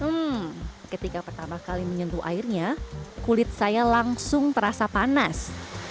hmm ketika pertama kali menyentuh airnya kulit saya langsung terasa panas